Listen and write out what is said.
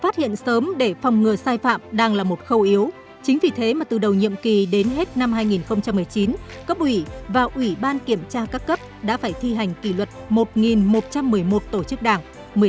trong kỳ đến hết năm hai nghìn một mươi chín cấp ủy và ủy ban kiểm tra các cấp đã phải thi hành kỷ luật một một trăm một mươi một tổ chức đảng